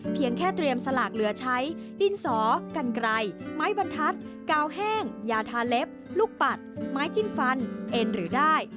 เพียงแค่เตรียมสลากเหลือใช้ดินสอกันไกรไม้บรรทัศน์กาวแห้งยาทาเล็บลูกปัดไม้จิ้มฟันเอ็นหรือได้